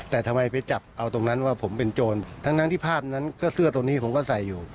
แต่ทำไมไปจับเอาตรงนั้นว่าผมเป็นโจรทั้งที่ภาพนั้นก็เสื้อตัวนี้ผมก็ใส่อยู่